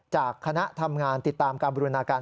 จากคณะทำงานติดตามการบูรณาการ